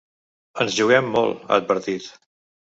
Ens juguem molt, ha advertit.